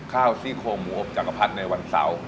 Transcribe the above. ข้าวซี่โครงหมูอบจังกะพัดในวันเสาร์